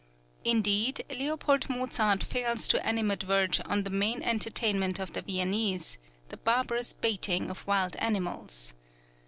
Indeed, L. Mozart fails to animadvert on the main entertainment of the Viennese, the barbarous baiting of wild animals.